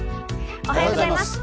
おはようございます。